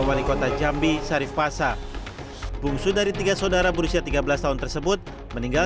wali kota jambi syarif fasa bungsu dari tiga saudara berusia tiga belas tahun tersebut meninggal